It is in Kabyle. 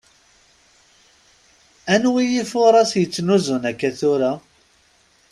Anwi ifuras yettnuzen akka tura?